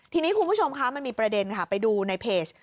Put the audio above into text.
ทีนี้คุณผู้ชมคะมันมีประเด็นค่ะไปดูในเพจ